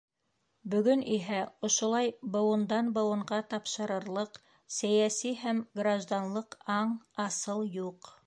Бөгөн иһә ошолай быуындан быуынға тапшырылырлыҡ сәйәси һәм гражданлыҡ аң, асыл юҡ.